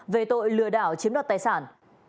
về tội lừa đảo chiếm đoạt tài sản